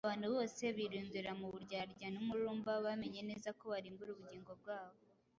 abantu bose birundurira mu buryarya n’umururumba bamenye neza ko barimbura ubugingo bwabo.